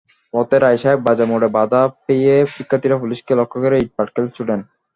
পথে রায়সাহেব বাজার মোড়ে বাধা পেয়ে শিক্ষার্থীরা পুলিশকে লক্ষ্য করে ইট-পাটকেল ছোড়েন।